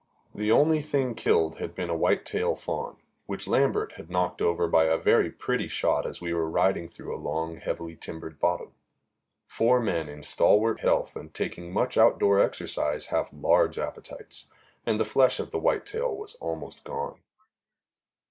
The only thing killed had been a whitetail fawn, which Lambert had knocked over by a very pretty shot as we were riding through a long, heavily timbered bottom. Four men in stalwart health and taking much outdoor exercise have large appetites, and the flesh of the whitetail was almost gone.